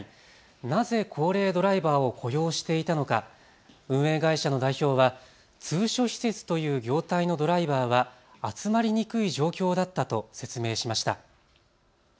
なぜ高齢ドライバーを雇用していたのか、運営会社の代表は通所施設という状態のドライバーは集まりにくい状況だったと説明しました。